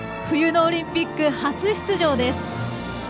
冬のオリンピック初出場です。